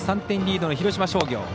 ３点リードの広島商業。